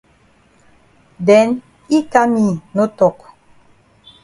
Den yi kam yi no tok.